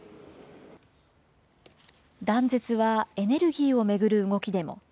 断絶はエネルギーを巡る動きでも。